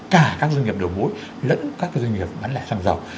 cả các doanh nghiệp đầu mối lẫn các doanh nghiệp bán lẻ xăng dầu